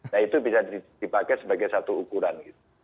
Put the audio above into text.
nah itu bisa dipakai sebagai satu ukuran